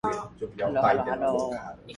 東勢角